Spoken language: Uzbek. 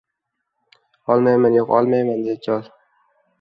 — Olmayman, yo‘q, olmayman!.. — dedi chol.